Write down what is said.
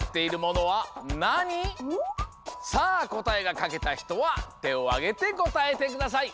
さあこたえがかけたひとはてをあげてこたえてください。